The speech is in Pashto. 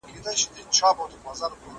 شاه شجاع امیردوست